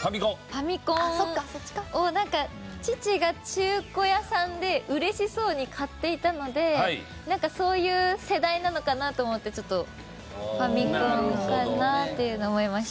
ファミコンを父が中古屋さんで嬉しそうに買っていたのでそういう世代なのかなと思ってファミコンかなっていうふうに思いました。